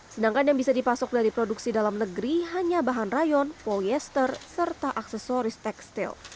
sedangkan yang bisa dipasok dari produksi dalam negeri hanya bahan rayon polyester serta aksesoris tekstil